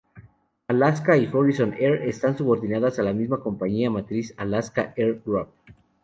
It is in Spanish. Alaska y Horizon Air están subordinadas a la misma compañía matriz, Alaska Air Group.